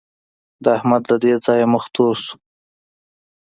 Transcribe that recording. د احمد له دې ځايه مخ تور شو.